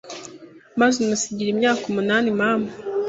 maze umunsigira imyaka umunani mama